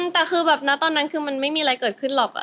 แต่คือแบบนะตอนนั้นคือมันไม่มีอะไรเกิดขึ้นหรอก